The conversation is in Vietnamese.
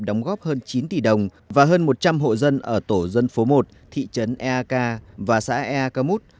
đóng góp hơn chín tỷ đồng và hơn một trăm linh hộ dân ở tổ dân phố một thị trấn eak và xã ea ca mút